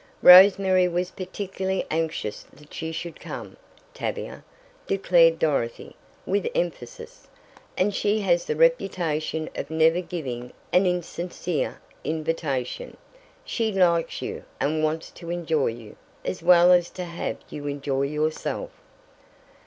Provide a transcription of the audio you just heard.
"Rose Mary was particularly anxious that you should come, Tavia," declared Dorothy, with emphasis, "and she has the reputation of never giving an insincere invitation. She likes you, and wants to enjoy you, as well as to have you enjoy yourself."